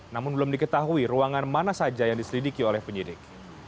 namun belum diketahui ruangan mana saja yang diselidiki oleh penyidik